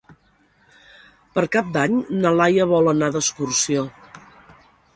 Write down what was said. Per Cap d'Any na Laia vol anar d'excursió.